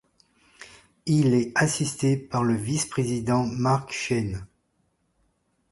Il est assisté par le vice-président Marc Cheyns.